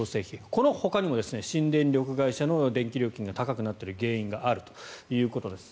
このほかにも新電力会社の電気料金が高くなっている原因があるということです。